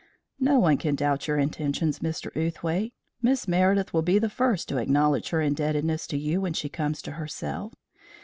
"No one can doubt your intentions, Mr. Outhwaite. Miss Meredith will be the first to acknowledge her indebtedness to you when she comes to herself.